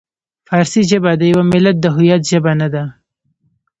فارسي ژبه د یوه ملت د هویت ژبه نه ده.